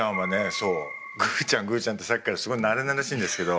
そう具ちゃん具ちゃんってさっきからすごいなれなれしいんですけど。